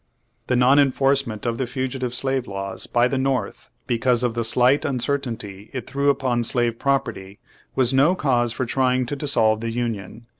The non enforcement of the Fugitive Slave Laws by the North, because of the slight uncertainty it threw upon slave property, was no cause for try ing to dissolve the Union.